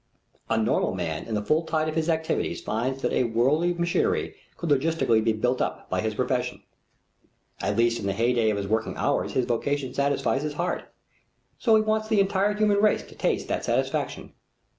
A normal man in the full tide of his activities finds that a world machinery could logically be built up by his profession. At least in the heyday of his working hours his vocation satisfies his heart. So he wants the entire human race to taste that satisfaction.